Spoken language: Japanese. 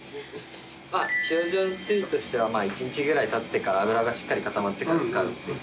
使用上の注意としては１日ぐらいたってから油がしっかり固まってから使うっていう形で。